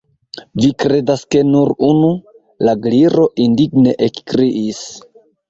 "Vi kredas ke nur unu?" la Gliro indigne ekkriis.